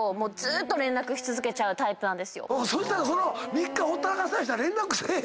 そしたらその３日ほったらかされたら連絡せえよ！